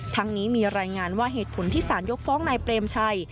ทั้งนี้มีรายงานว่าเหตุผลที่สารยกฟ้องนายเปรมชัย